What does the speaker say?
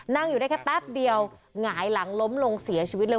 นั่งอยู่ได้แค่แป๊บเดียวหงายหลังล้มลงเสียชีวิตเลย